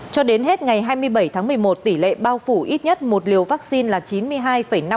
cho đến hết tỉnh thành phố có tỷ lệ bao phủ ít nhất một liều vaccine cho trên tám mươi dân số từ một mươi tám tuổi trở lên